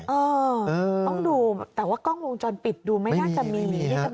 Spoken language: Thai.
เออต้องดูแต่ว่ากล้องวงจรปิดดูไม่น่าจะมี